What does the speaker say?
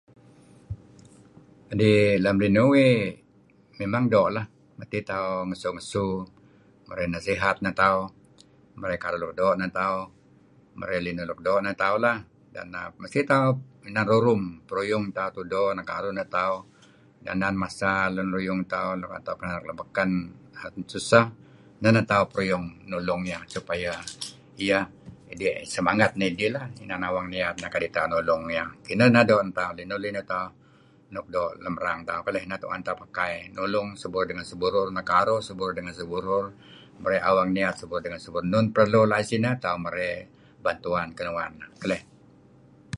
Idih lem linuh uih mimang doo' lah. Mesti tauh ngesu-ngesu marey nasihat neh tauh, marey karuh luk doo' neh tauh, marey linuh nuk doo' negen tauh lah deh nah. Mesti tauh inan rurum peruyung tauh tudo nakaruh neh tauh inan masa lun ruyung tauh kinanak nuk baken mesuseh. Neh neh tauh peruyung nulung iyeh supayeh iyeh semangat neh idih. Iyeh Inan awang niat kadi' tauh nulung iyeh. Kineh neh doo' neh tauh, ineh-linuh tauh nuk doo' lem erang tauh. Ineh nuk tuen tauh pakai. Nulung seburur ngen sebrur, nekaruh seburur ngen seburur marey awang niat seburur ngen seburur. Enaun pelu laih sineh neh tauh marey bantuan ngeneh. Kineh neh keleh!